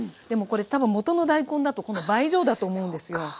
でもこれ多分もとの大根だとこの倍以上だと思うんですよ。